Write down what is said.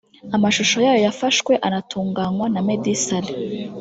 amashusho yayo yafashwe anatunganywa na Meddy Saleh